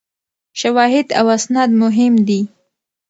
شواهد او اسناد مهم دي.